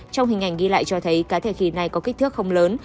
trong hình ảnh ghi lại cho thấy cá thể khỉ này có kích thước không lớn